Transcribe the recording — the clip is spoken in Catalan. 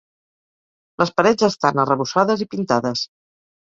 Les parets estan arrebossades i pintades.